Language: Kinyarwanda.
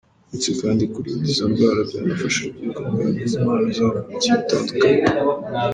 Uretse kandi kurinda izo ndwara byanafasha urubyiruko kugaragaza impano zabo mu mikino itandukanye.